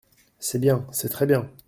C’est bien… c’est très bien.